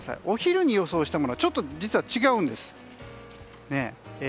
お昼に予想したものはちょっと違うんです。